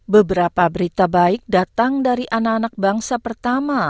beberapa berita baik datang dari anak anak bangsa pertama